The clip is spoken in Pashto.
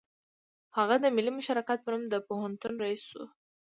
هغه د ملي مشارکت په نوم د پوهنتون رییس شو